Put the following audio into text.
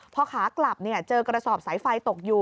พอขากลับเจอกระสอบสายไฟตกอยู่